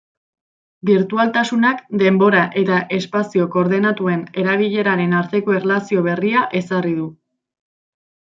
Birtualtasunak denbora- eta espazio-koordenatuen erabileraren arteko erlazio berria ezarri du.